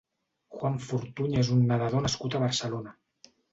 Juan Fortuny és un nedador nascut a Barcelona.